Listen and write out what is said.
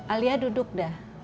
alia duduk dah